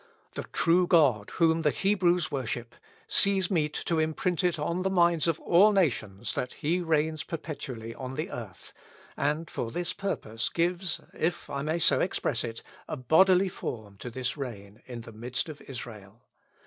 The true God whom the Hebrews worship, sees meet to imprint it on the minds of all nations that he reigns perpetually on the earth, and for this purpose gives, if I may so express it, a bodily form to this reign in the midst of Israel.